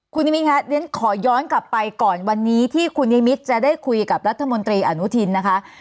คุณนิมิตค่ะเรียนขอย้อนกลับไปก่อนวันนี้ที่คุณนิมิตรจะได้คุยกับรัฐมนตรีอนุทินนะคะ